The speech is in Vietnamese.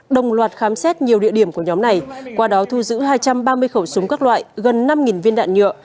đồng loạt khám xét nhiều địa điểm của nhóm này qua đó thu giữ hai trăm ba mươi khẩu súng các loại gần năm viên đạn nhựa